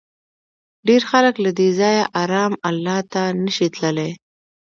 ډېر خلک له دې ځایه رام الله ته نه شي تللی.